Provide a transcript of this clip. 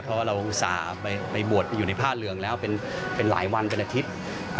เพราะเราอยู่ในผ้าเรืองแล้วเป็นหลายวันเป็นอาทิตย์